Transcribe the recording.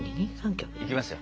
いきますよ。